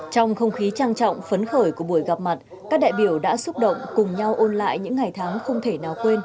trong không khí trang trọng phấn khởi của buổi gặp mặt các đại biểu đã xúc động cùng nhau ôn lại những ngày tháng không thể nào quên